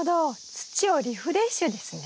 土をリフレッシュですね。